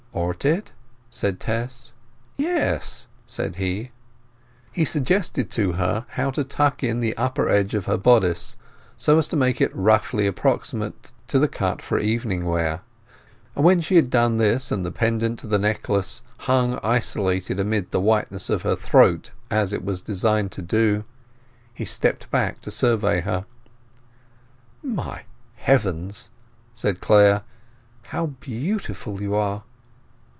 "Ought it?" said Tess. "Yes," said he. He suggested to her how to tuck in the upper edge of her bodice, so as to make it roughly approximate to the cut for evening wear; and when she had done this, and the pendant to the necklace hung isolated amid the whiteness of her throat, as it was designed to do, he stepped back to survey her. "My heavens," said Clare, "how beautiful you are!"